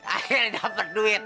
akhirnya dapet duit